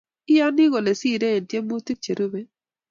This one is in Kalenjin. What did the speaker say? Iyani kole siirei eng tyemutik cherube